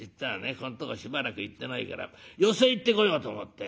ここんとこしばらく行ってないから寄席行ってこようと思って」。